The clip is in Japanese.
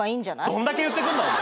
どんだけ言ってくんだ。